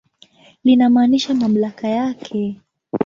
Linamaanisha mamlaka yake.